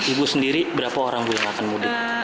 ibu sendiri berapa orang yang makan mudik